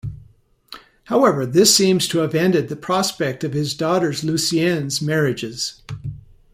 However, this seems to have ended the prospect of his daughters' Lusignan marriages.